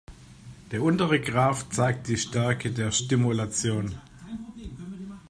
Der untere Graph zeigt die Stärke der Stimulation.